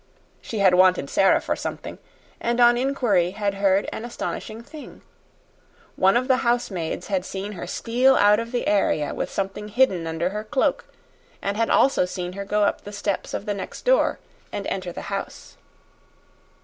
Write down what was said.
She had wanted Sara for something, and on inquiry had heard an astonishing thing. One of the housemaids had seen her steal out of the area with something hidden under her cloak, and had also seen her go up the steps of the next door and enter the house.